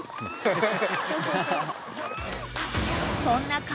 ［そんな］